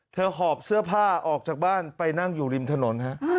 หอบเสื้อผ้าออกจากบ้านไปนั่งอยู่ริมถนนฮะ